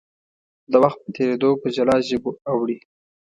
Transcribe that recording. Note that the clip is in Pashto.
د وخت په تېرېدو په جلا ژبو اوړي.